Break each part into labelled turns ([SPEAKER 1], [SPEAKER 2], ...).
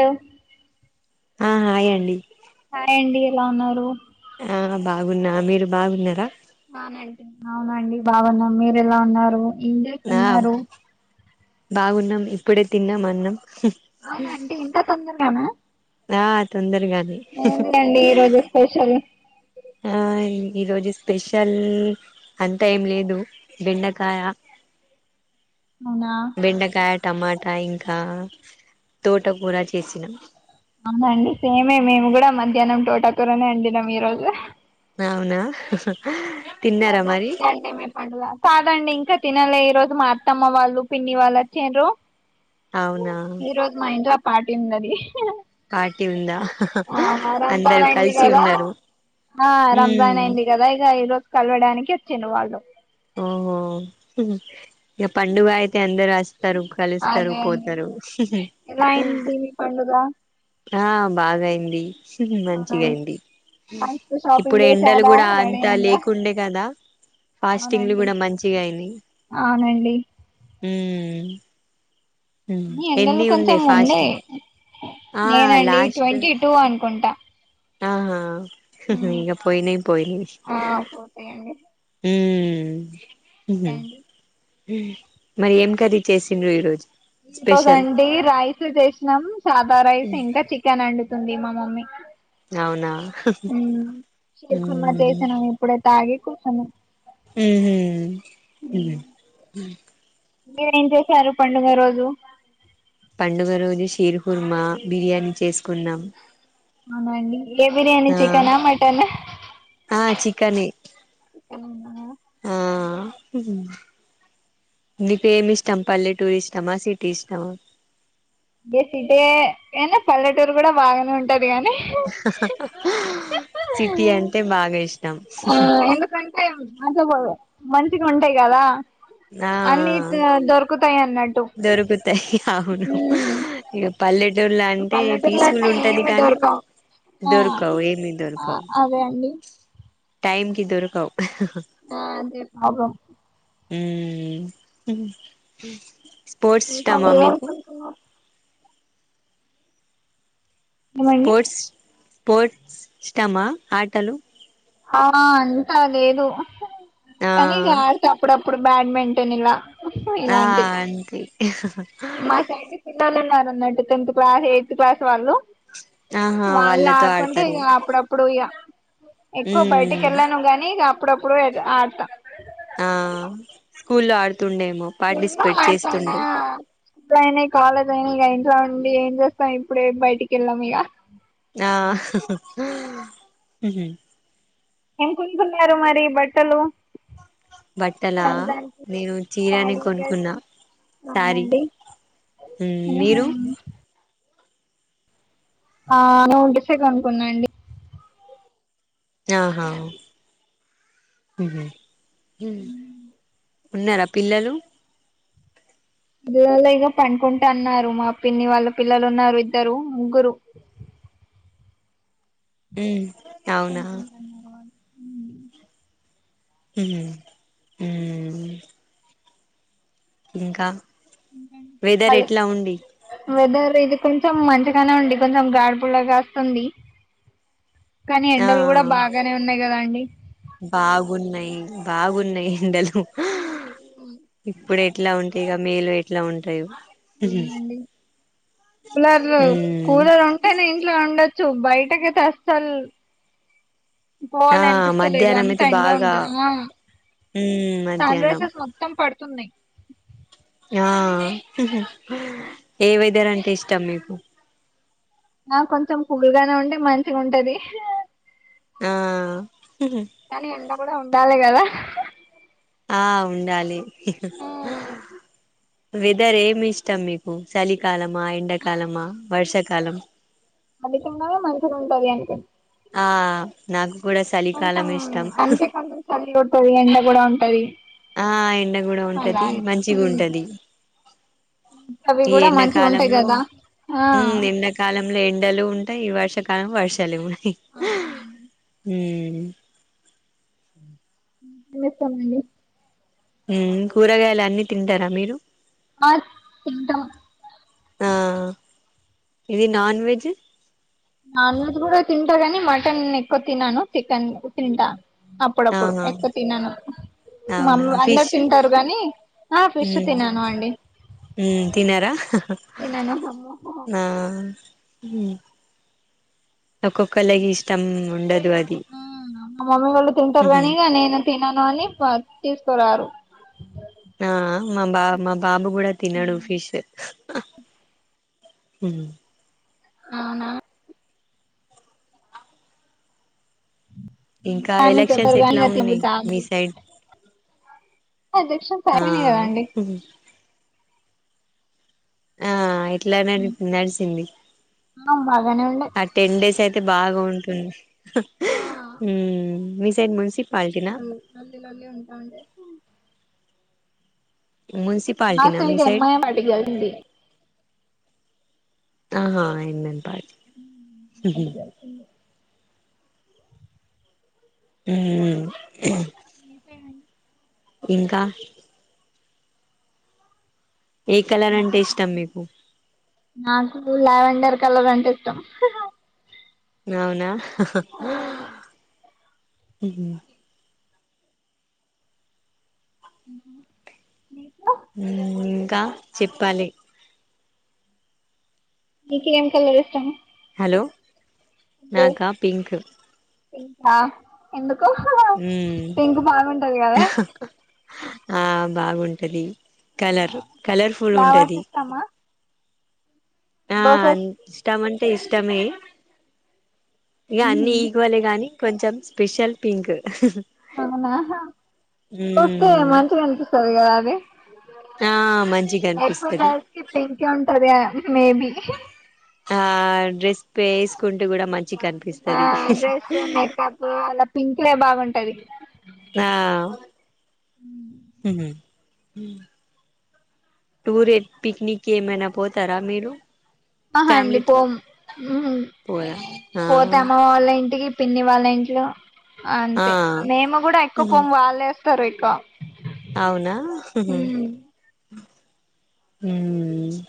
[SPEAKER 1] ఎమో.
[SPEAKER 2] ఆ హాయండి
[SPEAKER 1] హాయ్ అండి ఎలా ఉన్నారు
[SPEAKER 2] ఆ బాగున్నా మీరు బాగున్నారా
[SPEAKER 1] బావున్నా అంటి అవునా అండి బాగున్నం మీరు ఎలా ఉన్నారు ఏం
[SPEAKER 2] ఆ
[SPEAKER 1] చేస్తున్నారు
[SPEAKER 2] బాగున్నాం ఇప్పుడే తిన్నాం అన్నం
[SPEAKER 1] అవున అంటీ ఇంత తొందరగాన
[SPEAKER 2] ఆ తొందరగానే
[SPEAKER 1] ఏంది ఆండి ఈరోజు స్పెషల్
[SPEAKER 2] ఆ ఈరోజు స్పెషల్ అంతా ఏం లేదు బెండకాయ
[SPEAKER 1] అవునా
[SPEAKER 2] బెండకాయ టమాటా ఇంకా తోట కూర చేసినా
[SPEAKER 1] అవునండి సేమే మేము కూడా మధ్యాహ్నం తోటాకూరనే వండినాం ఈరోజు
[SPEAKER 2] అవునా తిన్నారా మరి
[SPEAKER 1] కాదండి ఇంకా తినలే ఈరో మా అత్తమ్మ వాళ్ళు పిన్ని వాళ్ళు వచ్చిండ్రు
[SPEAKER 2] అవున
[SPEAKER 1] ఈ రోజు మా ఇంట్లో పార్టీ ఉన్నది
[SPEAKER 2] పార్టీ ఉందా
[SPEAKER 1] అవునా రంజాన్
[SPEAKER 2] అందరు
[SPEAKER 1] అయింది
[SPEAKER 2] కలిసి
[SPEAKER 1] కదా
[SPEAKER 2] ఉన్నారు
[SPEAKER 1] ఆ రంజాన్
[SPEAKER 2] ఉమ్
[SPEAKER 1] అయింది గాద ఇగ ఈరోజు కలవడానికి వచ్చిండ్రు వాళ్ళు
[SPEAKER 2] ఓహో పండుగైతే అందరు అస్ స్తారు కలుస్తారు
[SPEAKER 1] అదే అండి
[SPEAKER 2] పోతారు
[SPEAKER 1] ఎలా అయింది మీ పండుగ
[SPEAKER 2] ఆ బాగా అయింది మంచిగా
[SPEAKER 1] అవునండి
[SPEAKER 2] అయింది
[SPEAKER 1] మస్తు
[SPEAKER 2] ఇప్పుడు
[SPEAKER 1] షాపింగ్
[SPEAKER 2] ఎండలు
[SPEAKER 1] చేసారా
[SPEAKER 2] గూడా
[SPEAKER 1] రెడీ
[SPEAKER 2] అంతా
[SPEAKER 1] అయిందా
[SPEAKER 2] లేకుండే గాదా ఫాస్ స్టింగ్ళ్ళు
[SPEAKER 1] అవునండి
[SPEAKER 2] గూడా మంచిగా అయింది
[SPEAKER 1] అవునండి ఈ ఎండలు కొంచెం ఉండే
[SPEAKER 2] ఆ
[SPEAKER 1] లేదండి
[SPEAKER 2] లాస్ట్
[SPEAKER 1] ట్వంటీ టూ అనుకుంటా
[SPEAKER 2] ఆహా
[SPEAKER 1] హ్మ్.
[SPEAKER 2] ఇగా పోనైయ్ పోయినయ్
[SPEAKER 1] ఆ పోతాయండి
[SPEAKER 2] హుమ్
[SPEAKER 1] ఓకే
[SPEAKER 2] హు మ్
[SPEAKER 1] అండి
[SPEAKER 2] మరి ఏం కర్రీ చేసిండ్రు ఈరోజు
[SPEAKER 1] ఈరోజు
[SPEAKER 2] స్పెషల్
[SPEAKER 1] అండి రైస్ చేసినాం సాదా రైస్ ఇంకా చికెన్ అండి తుంది మా మమ్మీ
[SPEAKER 2] అవునా
[SPEAKER 1] హుమ్ చికెన్ కూర
[SPEAKER 2] ఉమ్
[SPEAKER 1] చేసినం ఇప్పుడే తాగి కూర్చున్నాం
[SPEAKER 2] మ్ హు
[SPEAKER 1] మీరేం చేసారు పండుగ రోజు
[SPEAKER 2] పండుగ రోజు షీర్ కుర్మ బిర్యానీ చేసుకున్నాం
[SPEAKER 1] అవునండి ఏ బిర్యానీ
[SPEAKER 2] ఆ
[SPEAKER 1] చికెనా మటన్
[SPEAKER 2] ఆ చికన్ ఎ
[SPEAKER 1] చికెన్.
[SPEAKER 2] ఆ నిక్ ఏమి ఇష్టం పల్లెటూరిష్టమా? సిటీ ఇష్టమా
[SPEAKER 1] గే సిటే కేనా పల్లెటూరు కూడా బాగానే ఉంటది గానీ
[SPEAKER 2] సిటీ అంటే బాగా ఇష్
[SPEAKER 1] ఎందుకంటే మంచిగా మంచిగా ఉంటాయి గాదా అన్ని దొరుకుతాయి అన్నట్
[SPEAKER 2] దొరుకుతాయ్ అవును ఇగ పల్ దొల్ల అంటే
[SPEAKER 1] పల్లెటూర్లో
[SPEAKER 2] పీస్ఫుల్
[SPEAKER 1] అట్లా
[SPEAKER 2] ఉంటది గానీ
[SPEAKER 1] దొరకవు ఆ
[SPEAKER 2] దొరకవు ఏమి
[SPEAKER 1] ఆ
[SPEAKER 2] దొరకవు
[SPEAKER 1] అదే అండి
[SPEAKER 2] టైం కి దొరకవు
[SPEAKER 1] ఆ అదే ప్రాబ్లం
[SPEAKER 2] మ్ స్పోర్ట్స్
[SPEAKER 1] ఇంకా
[SPEAKER 2] ఇష్టమా మీకు
[SPEAKER 1] ఏమనుకుంటున్నారు ఏమండి
[SPEAKER 2] స్పోర్ట్స్ పోర్ట్స్ ఇష్టమా ఆటలు
[SPEAKER 1] ఆ ఆ ఆంత లేదు
[SPEAKER 2] ఆ
[SPEAKER 1] కానీ ఇగ ఆడ్తా అప్పుడప్పుడు బ్యాడ్మింటన్ ఇలా
[SPEAKER 2] ఆ
[SPEAKER 1] ఇలాంటి
[SPEAKER 2] ఆంటీ
[SPEAKER 1] మా సైడ్ పిల్లలున్నరు అన్నట్టు టెన్త్ క్లాస్ ఎయిత్ క్లాస్ వాళ్ళు
[SPEAKER 2] ఆహా
[SPEAKER 1] వాళ్ళు
[SPEAKER 2] వాళ్ళతో
[SPEAKER 1] ఆడుకుంటే
[SPEAKER 2] ఆడతారు
[SPEAKER 1] ఇగ అప్పుడప్పుడు ఇగ ఎక్కువ
[SPEAKER 2] ఉమ్
[SPEAKER 1] బయటికేళ్ళను గానీ ఇగ అప్పుడప్పుడు వెడ్ ఆడతా
[SPEAKER 2] ఆ స్కూల్లో ఆడుతుండేమో పార్టిసిపేట్ చేస్తుండు
[SPEAKER 1] స్కూల్ అయినాయి కాలేజ్ అయినాయి ఇగ ఇంట్లో ఉండి ఏం చేస్తం ఇప్పుడే బయటికేళ్ళాం ఇగ
[SPEAKER 2] ఆ
[SPEAKER 1] ఏం కొనుకున్నారు మరి బట్టలు
[SPEAKER 2] బట్టలా
[SPEAKER 1] రంజాన్కి
[SPEAKER 2] నేను చీరనీ
[SPEAKER 1] శారీ డ్రెస్
[SPEAKER 2] కొనుకున్న శారీ
[SPEAKER 1] అవునండి
[SPEAKER 2] ఉమ్ మీరు
[SPEAKER 1] ఆ ను డ్రెస్సె కొనుకున్న అండి
[SPEAKER 2] ఆహా ఉహు ఉన్నరా పిల్లలు
[SPEAKER 1] పిల్లల ఇంగ పడుకుంటా అన్నారు మా పిన్ని వాళ్ళ పిల్లలు ఉన్నారు ఇద్దరు ముగ్గురు
[SPEAKER 2] మ్
[SPEAKER 1] పండుకుంటానవా
[SPEAKER 2] ఉ హు ఊమ్ ఇంకా వెథర్
[SPEAKER 1] మళ్ళీ
[SPEAKER 2] ఎట్లా ఉండి
[SPEAKER 1] వెదర్ ఇది కొంచెం మంచిగానే ఉండి కొంచెం గాడ్పులా గాస్తుంది కానీ
[SPEAKER 2] ఆ
[SPEAKER 1] ఎండలు గూడా బాగానే ఉన్నాయి కదండి
[SPEAKER 2] బాగున్నాయి బాగున్నాయి ఎండలు
[SPEAKER 1] ఉ మ్
[SPEAKER 2] ఇప్పుడే ఇట్ల ఉంటే ఇగ మేలో ఎట్ల ఉంటాయో
[SPEAKER 1] అవునండి కూలర్లు కూలర్ ఉంటేనే ఇంట్లో ఉండొ చ్చు బయటకైతే అసల్
[SPEAKER 2] ఆ
[SPEAKER 1] పోవాలి అనిపిస్తలేదు
[SPEAKER 2] మధ్యాహ్నం అయితే
[SPEAKER 1] అంతా ఎండ
[SPEAKER 2] బాగా
[SPEAKER 1] ఉంటది ఆహ్
[SPEAKER 2] ఉమ్
[SPEAKER 1] సన్
[SPEAKER 2] మధ్యాహ్నం
[SPEAKER 1] రైజెస్ మొత్తం పడు ఉంటుంది
[SPEAKER 2] ఆ ఏ వెదర్ అంటే ఇష్టం మీకు
[SPEAKER 1] ఆ కొంచెం కూల్గానే ఉంటే మంచిగుంటది
[SPEAKER 2] ఆ ఉహు
[SPEAKER 1] కానీ ఎండ కూడా ఉండాలి గదా
[SPEAKER 2] ఆ ఉండాలి వెదర్ ఏమి ఇష్టం మీకు చలి కాలమా ఎండకాలమా వర్షాకాలం
[SPEAKER 1] అధికంగానే మంచిగుంటది అంటె
[SPEAKER 2] ఆ నాకు కూడా
[SPEAKER 1] కొంచెం
[SPEAKER 2] చలికాలం ఇష్టం
[SPEAKER 1] అంటే కొంచెం సలిగొడ్తది ఎండక్ గుడ ఉంటది
[SPEAKER 2] ఆ ఎండ గుడా
[SPEAKER 1] అలా
[SPEAKER 2] ఉంటది
[SPEAKER 1] అని ఉమ్.
[SPEAKER 2] మంచిగుంటది
[SPEAKER 1] అవి
[SPEAKER 2] ఈ
[SPEAKER 1] కూడా మంచిగా ఉంటాయి
[SPEAKER 2] ఎండాకాలంలో
[SPEAKER 1] కదా ఆ
[SPEAKER 2] ఊమ్ ఎండాకాలం లో ఎండలు ఉంటయి వర్షాకాలం వర్షాలేవు
[SPEAKER 1] అవునండి
[SPEAKER 2] ఉమ్ మ్
[SPEAKER 1] వెళ్ళొస్తమండి
[SPEAKER 2] మ్ కూరగాయలు అన్నీ తింటారా మీరు
[SPEAKER 1] ఆ తింటం
[SPEAKER 2] ఆ ఇది నాన్ వెెజ్
[SPEAKER 1] నాన్ వెజ్ గూడా తింటా గాని మటన్ ఎక్కువ తినను చికెన్ తింటా అప్పుడప్పుడు
[SPEAKER 2] ఆహా
[SPEAKER 1] ఎక్కువ తినను మ్మమ్
[SPEAKER 2] అవునా ఫిష్
[SPEAKER 1] అందరు తింటారు గానీ ఆ ఫిష్ తినను అండి
[SPEAKER 2] ఉ తినారా
[SPEAKER 1] తినను మా
[SPEAKER 2] ఆ ఉమ్ ఒక్కొక్కళకి ఇష్టం ఉండదు అది
[SPEAKER 1] మమ్మీ వాళ్ళు తింటారు
[SPEAKER 2] ఉహు
[SPEAKER 1] కానీ ఇగ నేను తినను అని ప తీసుకోరారు
[SPEAKER 2] ఆ మా బా మా బాబు కూడా తినడు ఫిష్ హు మ్
[SPEAKER 1] అవునా
[SPEAKER 2] ఇంకా
[SPEAKER 1] అని
[SPEAKER 2] ఎలక్షన్స్
[SPEAKER 1] చెప్పరు కానీ
[SPEAKER 2] ఎట్లా
[SPEAKER 1] ఇగ
[SPEAKER 2] ఉన్నాయి
[SPEAKER 1] తినబుద్ధి
[SPEAKER 2] మీ సైడ్
[SPEAKER 1] ఎలక్షన్
[SPEAKER 2] ఆ
[SPEAKER 1] అయిపోనై కదా అండి
[SPEAKER 2] ఉహు ఆ ఇట్లానే నడిచింది
[SPEAKER 1] బాగానే ఉండే
[SPEAKER 2] ఆ టెన్ డేస్ అయితే బాగా ఉంటుంది హు మ్ మీ సైడ్ మున్సీ
[SPEAKER 1] మాది లొల్లి లొల్లి ఉంటాఉండే మా
[SPEAKER 2] మున్సిపాలిటీనా మీ
[SPEAKER 1] సైడ్ ఎమ్ ఐ ఎమ్ అడిగండి
[SPEAKER 2] ఆహా ఏ ఎన్ పాట్
[SPEAKER 1] అడగాల్సింది
[SPEAKER 2] మ్మ్మ్ హ్మ
[SPEAKER 1] మీ సైడ్ అండి
[SPEAKER 2] ఇంకా ఏ కలర్ అంటే ఇష్టం మీకు
[SPEAKER 1] నాకు లవేండర్ కలర్ అంటే ఇష్టం
[SPEAKER 2] అవునా మ్
[SPEAKER 1] మ్మ్ నీకు
[SPEAKER 2] హు మ్మ్ ఇంకా చెప్పాలి
[SPEAKER 1] నీకు ఎమ్ కలర్ ఇష్టం
[SPEAKER 2] హలో నాకా పింక్
[SPEAKER 1] పింక్ ఆ ఎందు
[SPEAKER 2] హు మ్మ్
[SPEAKER 1] కదా
[SPEAKER 2] ఆ బాగుంటది కలర్ కలర్ఫుల్
[SPEAKER 1] ఫ్లవర్స్
[SPEAKER 2] ఉంటది
[SPEAKER 1] ఇష్టమా
[SPEAKER 2] ఆ
[SPEAKER 1] రోసెస్
[SPEAKER 2] ఇష్టమంటే ఇష్టమే ఇగ అన్ని ఈక్వల్ గానీ కొంచెం స్పెషల్ పింక్
[SPEAKER 1] అవునా చూస్తే
[SPEAKER 2] మ్మ్
[SPEAKER 1] మంచిగా అనిపిస్తది కదా అది
[SPEAKER 2] ఆ మంచిగా
[SPEAKER 1] ఎక్కువ
[SPEAKER 2] అనిపిస్తది
[SPEAKER 1] గర్ల్స్ కి పింక్కే ఉంటది మెబ్బి
[SPEAKER 2] ఆ డ్రెస్ వేసుకుంటే కూడా మంచి
[SPEAKER 1] ఆ డ్రెస్ మేకప్ అలా పింకే బాగుంటది
[SPEAKER 2] ఆ టూర్ ఏ పిక్నిక్ ఏమైనా పోతారా మీరు
[SPEAKER 1] ఆహ అండి
[SPEAKER 2] ఫ్యామిలీతో
[SPEAKER 1] పోము
[SPEAKER 2] పోయా ఆ
[SPEAKER 1] పోతే అమ్మ వాళ్ళ ఇంటికి పిన్ని వాళ్ళ ఇంట్లో
[SPEAKER 2] ఆ
[SPEAKER 1] అంతే మేము కూడా ఎక్కువ పోము వాళ్ళేస్తారు ఎక్కువ
[SPEAKER 2] అవునా హు మ్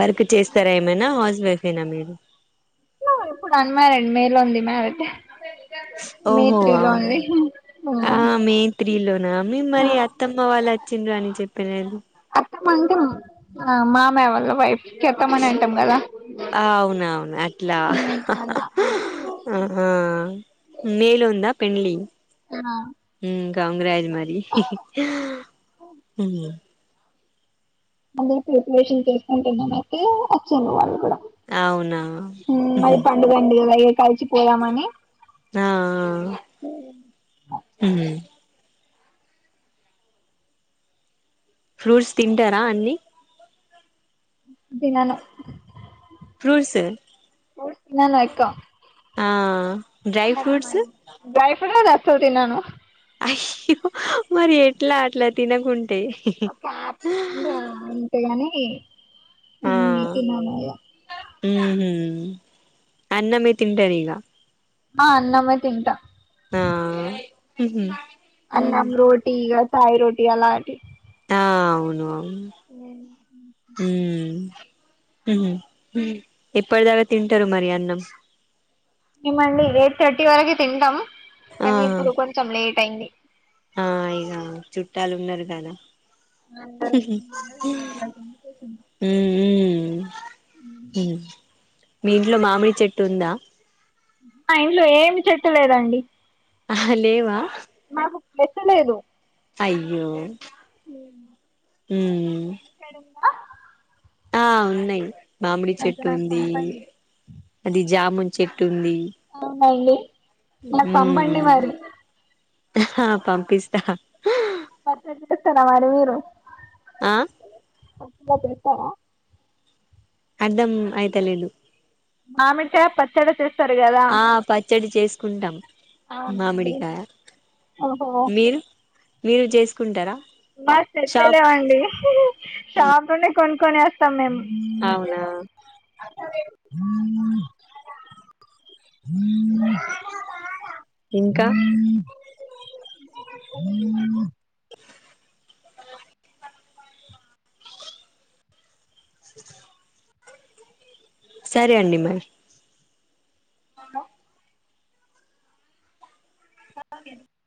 [SPEAKER 2] వర్క్ చేస్తారా ఏమైనా హౌస్ వైఫ్ ఎహ్నా మీరు
[SPEAKER 1] ఇప్పుడు అన్మారిడ్ మేలో ఉంది మారీడ్ మే
[SPEAKER 2] ఓహో
[SPEAKER 1] త్రీ లో అండి ఆ
[SPEAKER 2] త్రీలోనా మేమ్ మరి అత్తమ్మ వాళ్ళు వచ్చిండ్రని చెప్పేరెంది
[SPEAKER 1] అత్తమ్మ అంటే మామయ్య వాళ్ళ వైఫ్కి అత్తమ్మనె అంటాం కదా
[SPEAKER 2] ఆ అవునవును అట్లా
[SPEAKER 1] అలా
[SPEAKER 2] ఆ మేలుందా పెండ్లి
[SPEAKER 1] తిన
[SPEAKER 2] కాంగ్రజ్ మరి ఉమ్
[SPEAKER 1] అదే ప్రిపరేషన్ తీసుకుంటున కాబట్టి వచ్చిడ్రు వాళ్ళు కూడా
[SPEAKER 2] అవునా
[SPEAKER 1] ఉమ్ మరి పండుగండి వయ్ కల్సి పోయామని
[SPEAKER 2] ఆ ఫ్రూట్స్ తింటారా అన్నీ
[SPEAKER 1] తినను
[SPEAKER 2] ఫ్రూట్స్
[SPEAKER 1] ఫ్రుట్స్ తినను ఎక్కువ
[SPEAKER 2] ఆ డ్రై ఫ్రూట్స్
[SPEAKER 1] డ్రై ఫ్రూట్స్ ఐతే అసల్ తినను
[SPEAKER 2] మరి ఎట్లా అట్ల తినకుంటే
[SPEAKER 1] అంతే గానీ అన్నీ తినను ఇగ
[SPEAKER 2] ఉమ్ హు అన్నమే తింటది ఇగ
[SPEAKER 1] ఆ అన్నమే తింటా
[SPEAKER 2] హు హు
[SPEAKER 1] అన్నం రోటీ ఇగ తాయి రోటీ అలాంటివి
[SPEAKER 2] ఆ అవును అవును హ్మ్ ఎప్పటి దాకా తింటరు మరి అన్నం
[SPEAKER 1] మేమండి ఎయిట్ థర్టీ వరకె తింటం కనీ ఇప్పుడు కొంచెం లేట్ అయింది
[SPEAKER 2] ఆహ్ ఇగా చుట్టాలు ఉన్నారు గదా
[SPEAKER 1] అందరూ తిన్నారా మాట్లాడుకుంటూ కూర్చున్నాం
[SPEAKER 2] మ్ మ్ మీ ఇంట్లో మామిడి చెట్టు ఉందా
[SPEAKER 1] మా ఇంట్లో ఏమి చెట్టు లేదండి
[SPEAKER 2] అహా లేవా
[SPEAKER 1] మాకు ప్లేసే లేదు
[SPEAKER 2] అయ్యో
[SPEAKER 1] లేదండి
[SPEAKER 2] మ్
[SPEAKER 1] హలో
[SPEAKER 2] ఆ ఉన్నాయి మామిడి
[SPEAKER 1] అయితే నాకు
[SPEAKER 2] చెట్టుంది
[SPEAKER 1] పంపండి
[SPEAKER 2] అది జామున్ చెట్టుంది
[SPEAKER 1] అవునా అండి నాకు పంపండి
[SPEAKER 2] హ్మ్
[SPEAKER 1] మరి
[SPEAKER 2] ఆ పంపిస్తా
[SPEAKER 1] పచ్చడి చేస్తారా మరి మీరు
[SPEAKER 2] ఆ
[SPEAKER 1] పచ్చడ చేస్తారా
[SPEAKER 2] అర్ధం అయితలేదు
[SPEAKER 1] మామిడి కాయ పచ్చడ చెస్
[SPEAKER 2] ఆ పచ్చడి చేసుకుంటాం
[SPEAKER 1] అవునండి
[SPEAKER 2] మామిడికాయ
[SPEAKER 1] ఓహో
[SPEAKER 2] మీరు మీరు చేసుకుంటారా
[SPEAKER 1] మా చెట్లే
[SPEAKER 2] షాప్
[SPEAKER 1] లేవండి షాప్ నుండే కొనుకొని వస్
[SPEAKER 2] అవునా ఇంకా సరే అండి మరి [unintelligible]